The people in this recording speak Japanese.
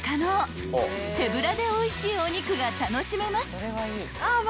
［手ぶらでおいしいお肉が楽しめます］